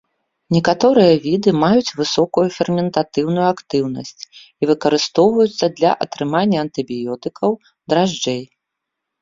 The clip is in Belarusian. Некаторыя віды маюць высокую ферментатыўную актыўнасць і выкарыстоўваюцца для атрымання антыбіётыкаў, дражджэй.